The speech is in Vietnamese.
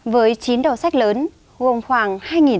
với chín đầu sách lớn gồm khoảng